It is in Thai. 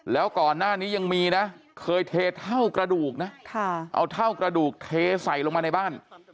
แล้วก่อนหน้านี้ยังมีนะเคยเทเท่ากระดูกนะเอาเท่ากระดูกเทใส่ลงมาในบ้าน